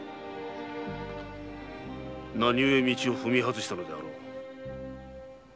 何故に道を踏み外したのであろう？